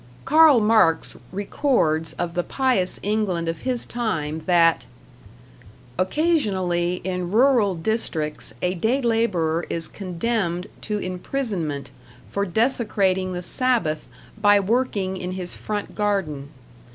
Karl Marx records of the pious England of his time that Occasionally in rural districts a day labourer is condemned to imprisonment for desecrating the Sabbath by working in his front garden.